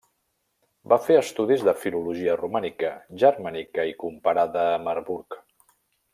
Va fer estudis de filologia romànica, germànica i comparada a Marburg.